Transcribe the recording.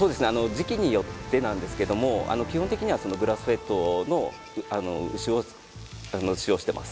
時季によってなんですけども基本的にはそのグラスフェッドの牛を使用してます